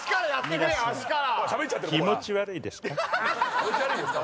「皆さん気持ち悪いですか？」